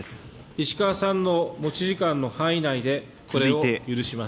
石川さんの持ち時間の範囲内で、これを許します。